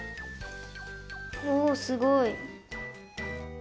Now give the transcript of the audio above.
おすごい！